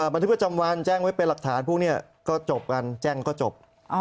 บันทึกประจำวันแจ้งไว้เป็นหลักฐานพวกนี้ก็จบกันแจ้งก็จบ